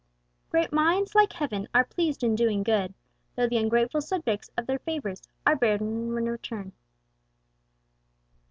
"Great minds, like heaven, are pleased in doing good, Though the ungrateful subjects of their favors Are barren in return."